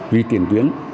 vì tất cả